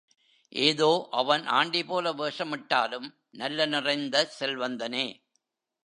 ஏதோ அவன் ஆண்டிபோல வேஷமிட்டாலும் நல்ல நிறைந்த செல்வந்தனே.